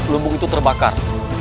lumbung itu terbakar